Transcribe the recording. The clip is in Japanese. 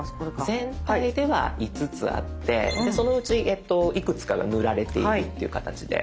全体では５つあってそのうちいくつかが塗られているっていう形で。